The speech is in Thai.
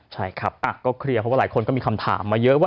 ใช่ครับก็เคลียร์เพราะว่าหลายคนก็มีคำถามมาเยอะว่า